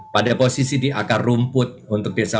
pada posisi di akar rumput untuk desa